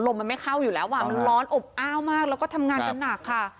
มันไม่เข้าอยู่แล้วอ่ะมันร้อนอบอ้าวมากแล้วก็ทำงานกันหนักค่ะ